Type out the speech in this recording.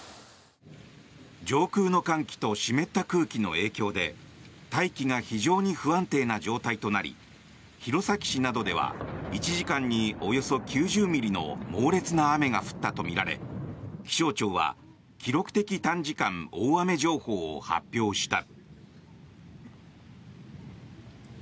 上空の寒気と湿った空気の影響で大気が非常に不安定な状態となり弘前市などでは１時間におよそ９０ミリの猛烈な雨が降ったとみられ気象庁は記録的短時間大雨情報を発表した。